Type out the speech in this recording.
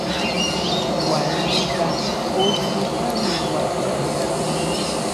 Warmiqa ullqutami wacharqun.